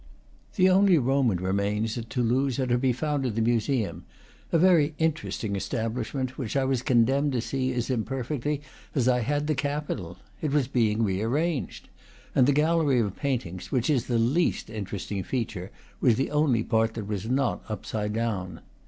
The only Roman remains at Toulouse are to be found in the museum, a very interesting establish ment, which I was condemned to see as imperfectly as I had seen the Capitol. It was being rearranged; and the gallery of paintings, which is the least in teresting feature, was the only part that was not upside down.